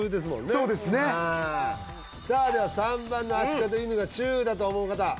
そうですねさあでは３番のアシカと犬がチューだと思う方？